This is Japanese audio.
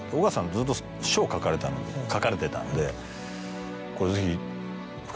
ずっと書を書かれてたんで。